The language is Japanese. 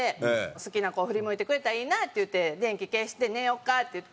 「好きな子振り向いてくれたらいいな」って言って電気消して「寝ようか」って言って。